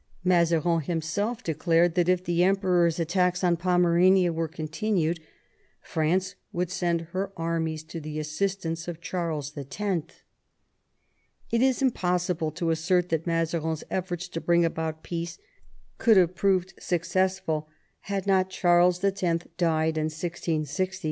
Mazarin himself declared that if the Emperor's attacks on Pomerania were con tinued France would send her armies to the assistance of Charles X. It is impossible to assert that Mazarin's eflforts to bring about peace would have proved success ful had not Charles X. died in March 1660.